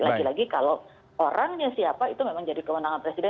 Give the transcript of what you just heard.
lagi lagi kalau orangnya siapa itu memang jadi kewenangan presiden